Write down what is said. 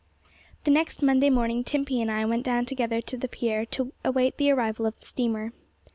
The next Monday morning Timpey and I went down together to the pier, to await the arrival of the steamer.